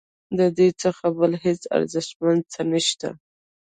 ددې څخه بل هیڅ ارزښتمن څه نشته.